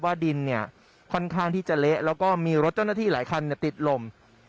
ดินเนี่ยค่อนข้างที่จะเละแล้วก็มีรถเจ้าหน้าที่หลายคันติดลม